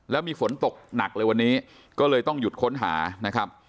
แล้วมีฝนตกหนักเลยวันนี้ก็เลยต้องหยุดค้นหานะครับ